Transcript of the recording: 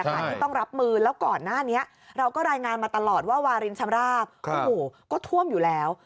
ที่ต้องรับมือแล้วก่อนหน้านี้เราก็รายงานมาตลอดว่าวารินชำราบโอ้โหก็ท่วมอยู่แล้ว